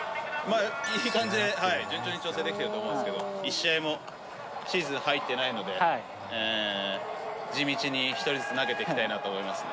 いい感じで順調に調整できていると思いますけれども、１試合も、シーズン入ってないので、地道に一人ずつ投げていきたいなと思いますね。